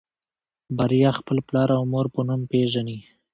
بريا خپل پلار او مور په نوم پېژني.